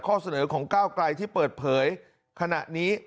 เสนอของก้าวไกลที่เปิดเผยขณะนี้